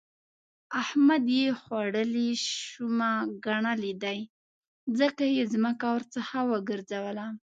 احمد يې خوړلې شومه ګنلی دی؛ ځکه يې ځمکه ورڅخه وګرځوله.